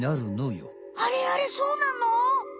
あれあれそうなの？